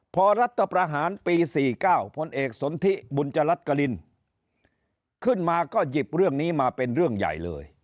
พอรัฐประหารปี๔๙พลเอกสนทิบุญจรัตกรินขึ้นมาก็หยิบเรื่องนี้มาเป็นเรื่องใหญ่เลย